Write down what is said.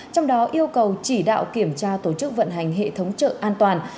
trong đó yêu cầu chỉ đạo kiểm tra tổ chức vận hành hệ thống chợ an toàn